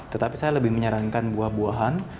tetapi saya lebih menyarankan